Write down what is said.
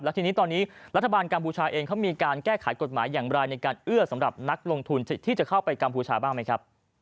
ทีนี้ตอนนี้รัฐบาลกัมพูชาเองเขามีการแก้ไขกฎหมายอย่างไรในการเอื้อสำหรับนักลงทุนที่จะเข้าไปกัมพูชาบ้างไหมครับ